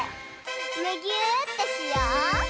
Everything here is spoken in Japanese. むぎゅーってしよう！